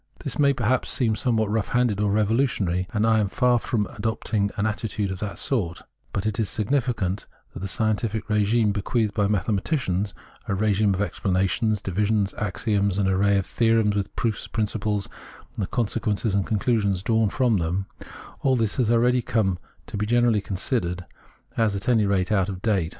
This may perhaps seem somewhat rough handed or revolutionary ; and I am far from adopting an attitude of that sort; but it is significant that the scientific regime bequeathed by mathematics — a regime of explanations, divisions, axioms, an array of theorems, with proofs, principles, and the consequences and con clusions drawn from them — all this has already come to be generally considered as at any rate out of date.